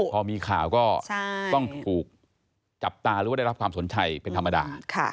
พอมีข่าวก็ต้องถูกจับตาหรือว่าได้รับความสนใจเป็นธรรมดา